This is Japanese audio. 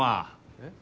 えっ？